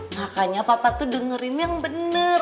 makanya papa tuh dengerin yang benar